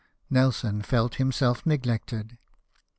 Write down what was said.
Nelson felt himself neglected.